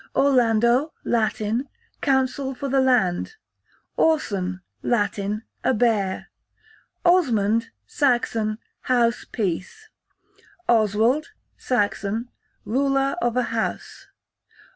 Orlando, Italian, counsel for the land. Orson, Latin, a bear. Osmund, Saxon, house peace. Oswald, Saxon, ruler of a house.